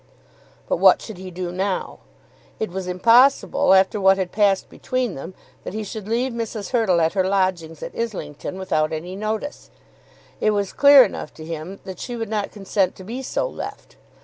But what should he do now? It was impossible, after what had passed between them, that he should leave Mrs. Hurtle at her lodgings at Islington without any notice. It was clear enough to him that she would not consent to be so left.